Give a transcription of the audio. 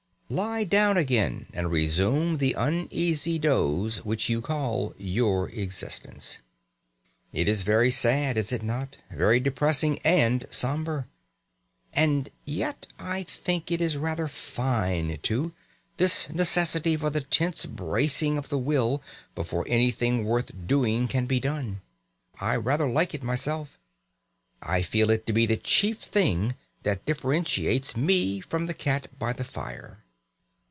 Lie down again and resume the uneasy doze which you call your existence. It is very sad, is it not, very depressing and sombre? And yet I think it is rather fine, too, this necessity for the tense bracing of the will before anything worth doing can be done. I rather like it myself. I feel it to be the chief thing that differentiates me from the cat by the fire.